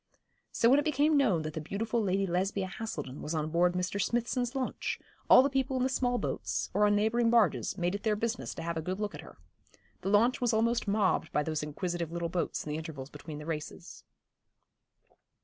So when it became known that the beautiful Lady Lesbia Haselden was on board Mr. Smithson's launch, all the people in the small boats, or on neighbouring barges, made it their business to have a good look at her. The launch was almost mobbed by those inquisitive little boats in the intervals between the races.